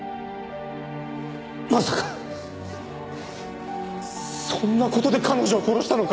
まさかそんな事で彼女を殺したのか？